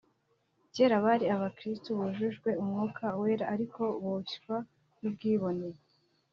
kera bari abakiristo bujujwe Umwuka Wera ariko boshywa n’ubwibone